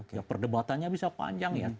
ya perdebatannya bisa panjang ya